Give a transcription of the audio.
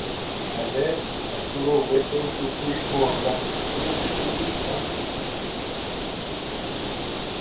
Al ver a Puro-Hueso sufrir por las travesuras de Billy, Mandy sonríe.